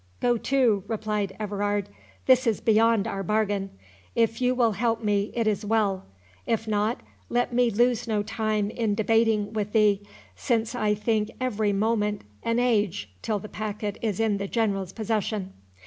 "Go to," replied Everard, "this is beyond our bargain. If you will help me it is well; if not, let me lose no time in debating with thee, since I think every moment an age till the packet is in the General's possession.